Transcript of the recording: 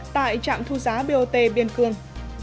tại trạm thu giá bot biên cương